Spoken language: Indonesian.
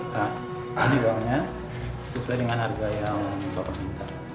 jadi uangnya sesuai dengan harga yang bapak minta